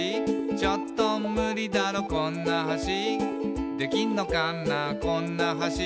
「ちょっとムリだろこんな橋」「できんのかなこんな橋」